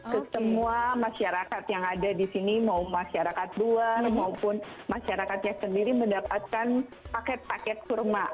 ketemuah masyarakat yang ada di sini mau masyarakat luar maupun masyarakat yang sendiri mendapatkan paket paket kurma